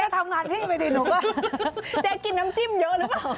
ทำจริงเจ๊กินน้ำจิ้มเยอะหรือเปล่า